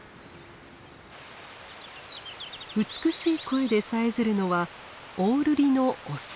美しい声でさえずるのはオオルリのオス。